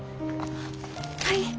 はい。